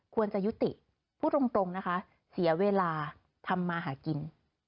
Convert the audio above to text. ควรจะยุติพูดตรงนะคะเสียเวลาทำมาหากิน